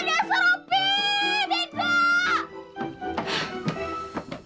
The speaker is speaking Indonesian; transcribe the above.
dasar opi degok